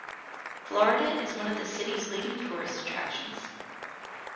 Florida is one of the city's leading tourist attractions.